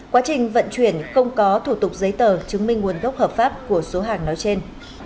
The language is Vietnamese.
quá trình vận chuyển không có thủ tục giấy tờ chứng minh nguồn gốc hợp pháp của số hàng nói trên